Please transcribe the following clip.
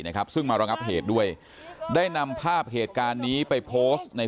นะครับซึ่งมาระงับเหตุด้วยได้นำภาพเหตุการณ์นี้ไปโพสต์ใน